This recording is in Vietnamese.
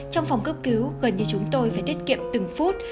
trong phòng cấp cứu gần như chúng tôi phải tiết kiệm từng phút